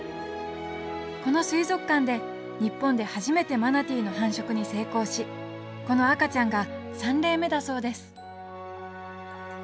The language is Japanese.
この水族館で日本で初めてマナティーの繁殖に成功しこの赤ちゃんが３例目だそうです。